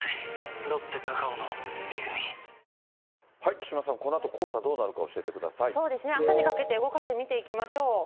木島さん、このあと黄砂、そうですね、あすにかけて動かして見ていきましょう。